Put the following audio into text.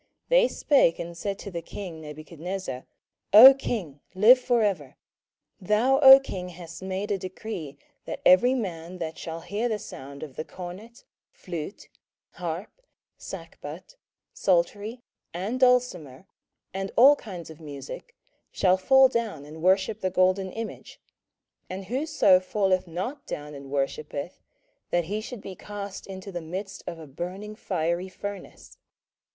27:003:009 They spake and said to the king Nebuchadnezzar, O king, live for ever. 27:003:010 Thou, O king, hast made a decree, that every man that shall hear the sound of the cornet, flute, harp, sackbut, psaltery, and dulcimer, and all kinds of musick, shall fall down and worship the golden image: 27:003:011 And whoso falleth not down and worshippeth, that he should be cast into the midst of a burning fiery furnace.